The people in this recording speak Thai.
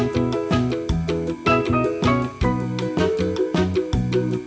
สวัสดีครับ